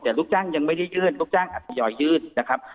แต่ลูกจ้างยังไม่ได้ยื่นลูกจ้างอัดทยอยยื่นนะครับ